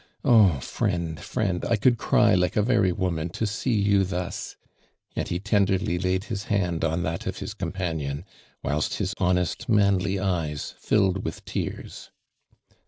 Oh, friend, fiiend, I could cry like u very woman to see you thus," and he tenderly laid his hand on that of his com panion, whilst his honest manly eyes filled with tears.